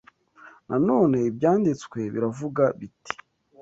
Nanone Ibyanditswe biravuga biti